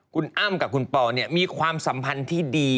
คุณอ้ำกับคุณปอเนี่ยมีความสัมพันธ์ที่ดี